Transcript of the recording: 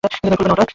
খুলবে না এটা!